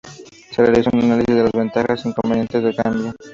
Se realizó un análisis de las ventajas e inconvenientes del cambio.